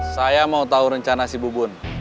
saya mau tahu rencana si bubun